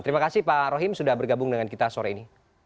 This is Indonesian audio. terima kasih pak rohim sudah bergabung dengan kita sore ini